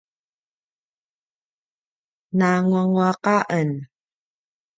nanguanguaq a en